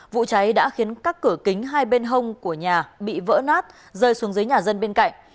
vụ cháy đã khiến các cửa kính hai bên hông của nhà bị vỡ nát rơi xuống dưới nhà dân bên cạnh